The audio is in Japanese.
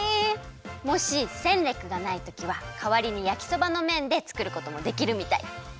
もしセンレックがないときはかわりにやきそばのめんでつくることもできるみたい。